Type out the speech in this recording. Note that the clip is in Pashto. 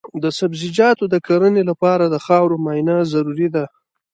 د سبزیجاتو د کرنې لپاره د خاورو معاینه ضروري ده.